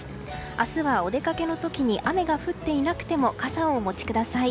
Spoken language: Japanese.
明日は、お出かけの時に雨が降っていなくても傘をお持ちください。